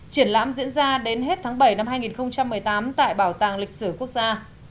triển lãm diễn ra đến hết tháng bảy năm hai nghìn một mươi tám tại bảo tàng lịch sử quốc gia